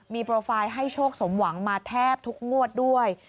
มีโปรไฟล์ให้โชคสมหวังมาแทบทุกงวดด้วย